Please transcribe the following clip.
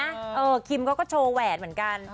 เออคิมเขาก็โชว์แหวนเหมือนกัน